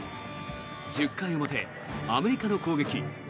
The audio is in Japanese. １０回表、アメリカの攻撃。